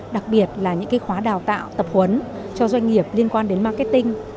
đặc biệt là những khóa đào tạo tập huấn cho doanh nghiệp liên quan đến marketing